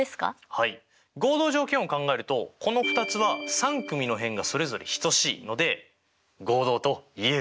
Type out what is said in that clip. はい合同条件を考えるとこの２つは３組の辺がそれぞれ等しいので合同といえる！